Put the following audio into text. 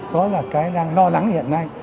đó là cái đang lo lắng hiện nay